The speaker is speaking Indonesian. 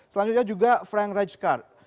selanjutnya juga frank rijkaard